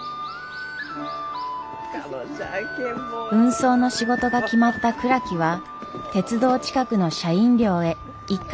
運送の仕事が決まった倉木は鉄道近くの社員寮へ一家で向かいます。